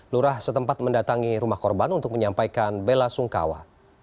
lurah setempat mendatangi rumah korban untuk menyampaikan bela sungkawa